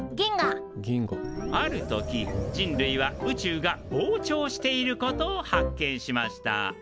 ある時人類は宇宙が膨張していることを発見しました。